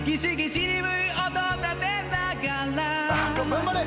頑張れ！